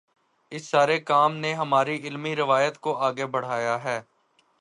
اس سارے کام نے ہماری علمی روایت کو آگے بڑھایا ہے۔